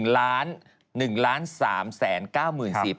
ว้าว